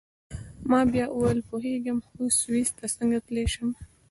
ما بیا وویل: پوهیږم، خو سویس ته څنګه تلای شم؟